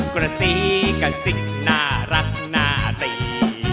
กระซิกกระซิกน่ารักน่าดี